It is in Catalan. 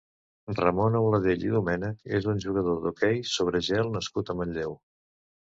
Ramon Auladell i Domènech és un jugador d'hoquei sobre gel nascut a Manlleu.